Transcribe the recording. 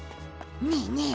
ねえねえ